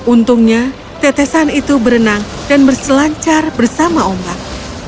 untungnya tetesan itu berenang dan berselancar bersama ombak